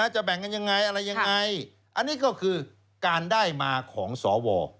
จะแบ่งกันยังไงอะไรยังไงอันนี้ก็คือการได้มาของสว